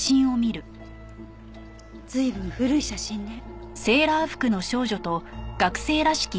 随分古い写真ね。